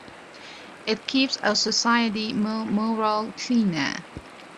It keeps our society more moral, cleaner.